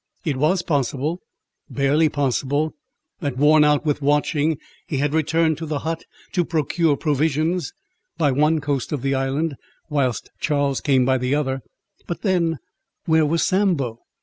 It was possible—barely possible—that, worn out with watching, he had returned to the hut, to procure provisions, by one coast of the island, whilst Charles came by the other—"But then, where was Sambo?"